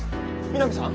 南さん？